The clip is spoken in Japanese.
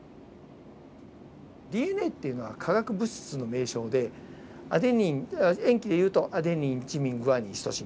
ＤＮＡっていうのは化学物質の名称で塩基でいうとアデニンチミングアニンシトシン